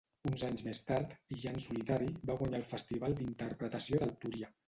Uns anys més tard, i ja en solitari, va guanyar el Festival d'Interpretació del Túria.